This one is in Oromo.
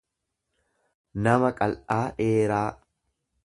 nama qal'aa dheeraa.